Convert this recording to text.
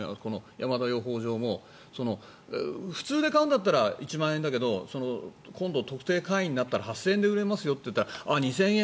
山田養蜂場も普通で買うなら１万円だけど今度、特定会員になったら８０００円で売れますよとなったらああ、２０００円